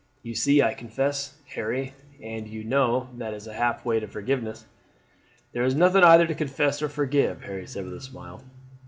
You see I confess, Harry; and you know that is half way to forgiveness." "There is nothing either to confess or forgive," Harry said with a smile.